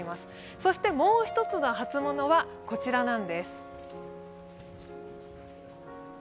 そしてもう一つの初物は、こちらなんです。